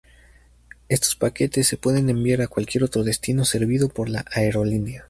Estos paquetes se pueden enviar a cualquier otro destino servido por la aerolínea.